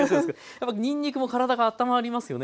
やっぱりにんにくもからだがあったまりますよね